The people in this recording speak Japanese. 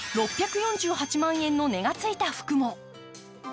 ６４８万円の値がついた服も。